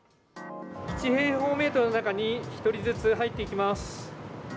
１平方メートルの中に１人ずつ入っていきます。